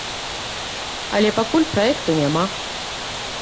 Але пакуль праекту няма.